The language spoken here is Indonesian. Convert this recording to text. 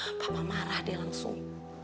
mama marah dia langsung